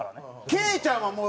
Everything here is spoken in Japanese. ケイちゃんはもう。